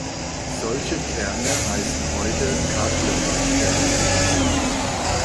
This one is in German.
Solche Kerne heißen heute Carleman-Kerne.